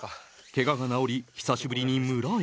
ケガが治り久しぶりに村へ。